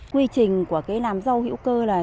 quy trình của cái làm rau hữu cơ này